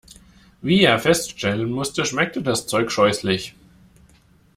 Wie er feststellen musste, schmeckte das Zeug scheußlich.